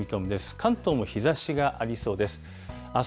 関東も日ざしがありそうです。